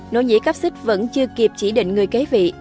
nội nhị cáp xích vẫn chưa kịp chỉ định người kế vị